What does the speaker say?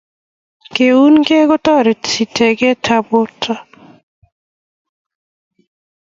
keunekei kotoreti teket ap porto